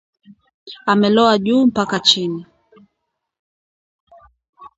Amelowa juu mpaka chini